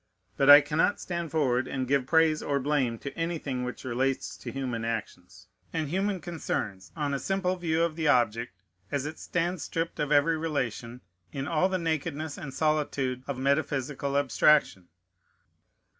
But I cannot stand forward, and give praise or blame to anything which relates to human actions and human concerns on a simple view of the object, as it stands stripped of every relation, in all the nakedness and solitude of metaphysical abstraction.